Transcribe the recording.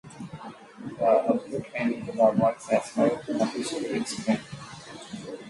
The abrupt end to the awards has never been officially explained.